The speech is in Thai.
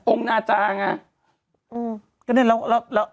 โอ๊งนาจาง่า